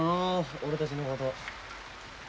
俺たちのこと。